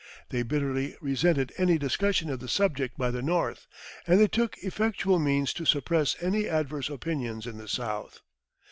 They bitterly resented any discussion of the subject by the North, and they took effectual means to suppress any adverse opinions in the South.